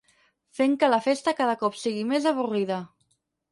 Fent que la festa cada cop sigui més avorrida.